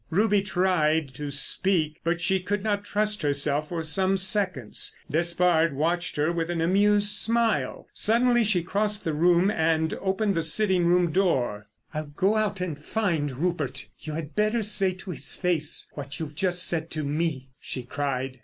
Ruby tried to speak, but she could not trust herself for some seconds. Despard watched her with an amused smile. Suddenly she crossed the room and opened the sitting room door. "I'll go out and find Rupert. You had better say to his face what you've just said to me," she cried.